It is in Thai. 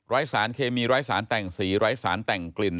สารเคมีไร้สารแต่งสีไร้สารแต่งกลิ่น